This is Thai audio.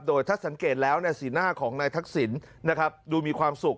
โดยถ้าสังเกตแล้วสีหน้าของนายทักษิณนะครับดูมีความสุข